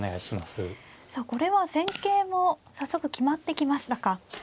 さあこれは戦型も早速決まってきましたか。